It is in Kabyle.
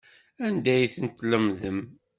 Anda ay tent-tlemdem?